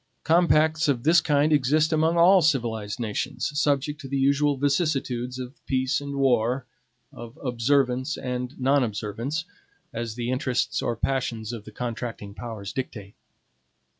Compacts of this kind exist among all civilized nations, subject to the usual vicissitudes of peace and war, of observance and non observance, as the interests or passions of the contracting powers dictate.